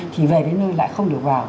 thì về đến nơi lại không được vào